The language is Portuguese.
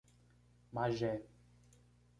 Magé